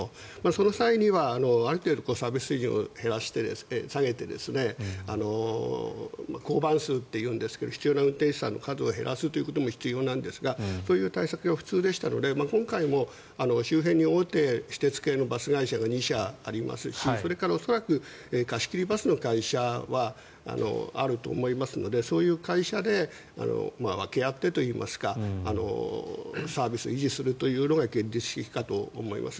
その際には、ある程度サービス水準を下げて必要な運転手さんの数を減らすというのも必要なんですがそういう対策が普通でしたので今回も周辺に大手私鉄系のバス会社が２社ありますし恐らく、貸し切りバスの会社はあると思いますのでそういった会社で分け合ってといいますかサービスを維持するのが現実的かと思います。